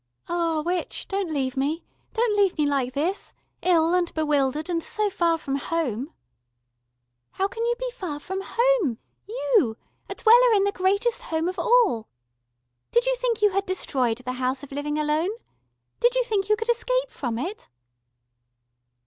"Ah, witch, don't leave me, don't leave me like this, ill and bewildered and so far from home...." "How can you ever be far from home, you, a dweller in the greatest home of all. Did you think you had destroyed the House of Living Alone? Did you think you could escape from it?"